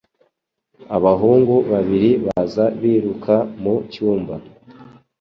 Abahungu babiri baza biruka mu cyumba